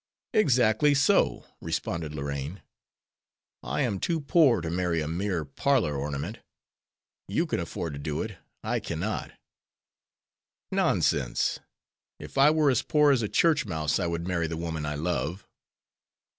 "Exactly so," responded Lorraine; "I am too poor to marry a mere parlor ornament. You can afford to do it; I cannot." "Nonsense, if I were as poor as a church mouse I would marry the woman I love."